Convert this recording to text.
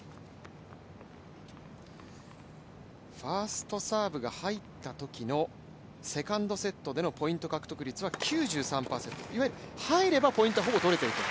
ファーストサーブが入ったときのセカンドセットのポイント確率は９３％、入ればポイントはほぼ取れていると。